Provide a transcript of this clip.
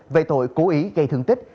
về tội cố ý gây thương tích